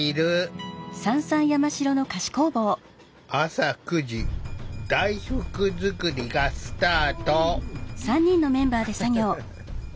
朝９時大福作りがスタート。